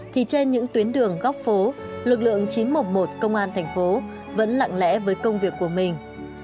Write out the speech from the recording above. thì trên những tuyến đường góc phố lực lượng chín trăm một mươi một công an thành phố vẫn lặng lẽ với công việc của mình